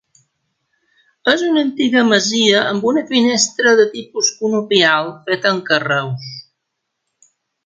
És una antiga masia amb una finestra de tipus conopial feta amb carreus.